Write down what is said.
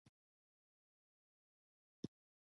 د تخه د لوییدو لپاره د څه شي اوبه وڅښم؟